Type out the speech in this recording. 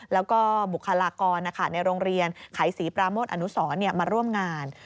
แล้วก็บุคลากรในโรงเรียนไขศรีปราโมทอนุสรมาร่วมงาน